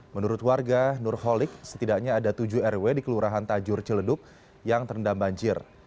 menurut warga nurholik setidaknya ada tujuh rw di kelurahan tajur celeduk yang terendam banjir